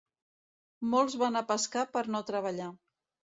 Molts van a pescar per no treballar.